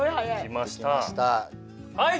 はい！